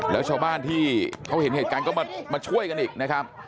แล้วชาวบ้านที่เขาเห็นเหตุการณ์ก็มาช่วยกันอีกนะครับ